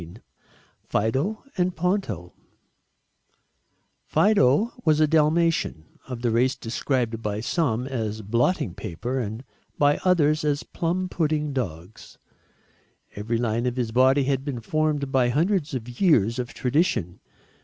XVI FIDO AND PONTO Fido was a Dalmatian of the race described by some as blotting paper and by others as plum pudding dogs. Every line of his body had been formed by hundreds of years of tradition.